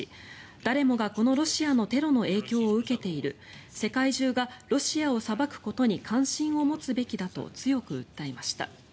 誰もがこのロシアのテロの影響を受けている世界中がロシアを裁くことに関心を持つべきだと強く訴えました。